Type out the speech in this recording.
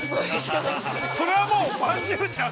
◆それはもうまんじゅうじゃん。